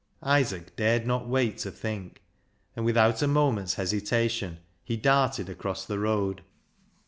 Isaac dared not wait to think, and without a moment's hesitation he darted across the road.